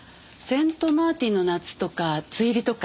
『セントマーチンの夏』とか『堕栗花』とか。